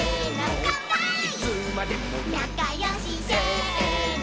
「なかよし」「せーの」